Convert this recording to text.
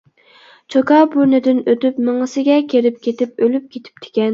چوكا بۇرنىدىن ئۆتۈپ مېڭىسىگە كىرىپ كېتىپ ئۆلۈپ كېتىپتىكەن.